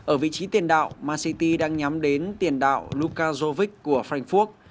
ở vị trí tiền đạo man city đang nhắm đến tiền đạo lukasovic của frankfurt